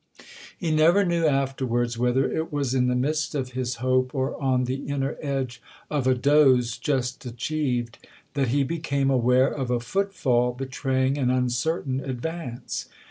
He never knew afterwards whether it was in the midst of his hope or on the inner edge of a doze just achieved that he became aware of a footfall betraying an uncertain advance.